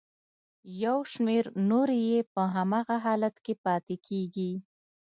یو شمېر نورې یې په هماغه حالت کې پاتې کیږي.